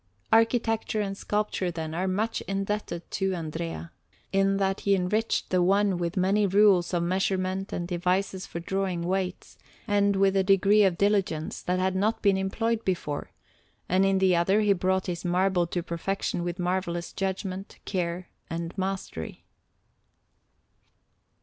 Architecture and sculpture, then, are much indebted to Andrea, in that he enriched the one with many rules of measurement and devices for drawing weights, and with a degree of diligence that had not been employed before, and in the other he brought his marble to perfection with marvellous judgment, care, and mastery.